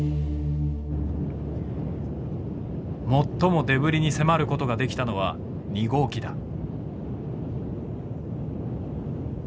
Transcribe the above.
最もデブリに迫ることができたのは２号機だ。